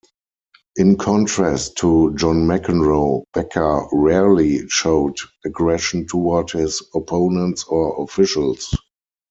In contrast to John McEnroe, Becker rarely showed aggression toward his opponents or officials.